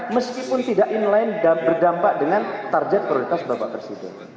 meskipun tidak in line dan berdampak dengan target prioritas bapak presiden